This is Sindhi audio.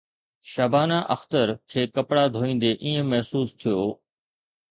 شبانه اختر کي ڪپڙا ڌوئيندي ائين محسوس ٿيو